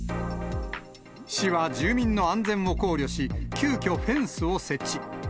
市は住民の安全を考慮し、急きょ、フェンスを設置。